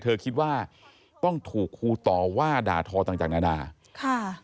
คิดว่าต้องถูกครูต่อว่าด่าทอต่างนานาค่ะ